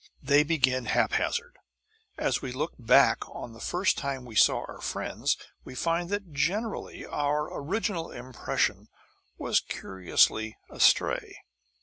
They begin haphazard. As we look back on the first time we saw our friends we find that generally our original impression was curiously astray.